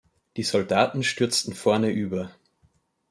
Die Soldaten stürzten vorne über.